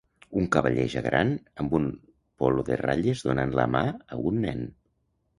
Un cavaller ja gran amb un polo de ratlles donant la mà a un nen.